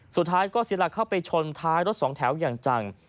สุดท้ายก็เสียหลักเข้าไปชนท้ายรถสองแถวอย่างจัง